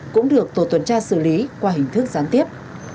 cũng được tổ tuần tra xử lý qua hình thức gián tiếp